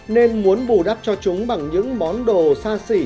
nên muốn bù đắp cho chúng bằng những món đồ xa xỉ